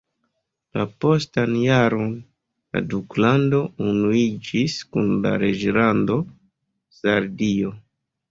La postan jaron la duklando unuiĝis kun la reĝlando Sardio.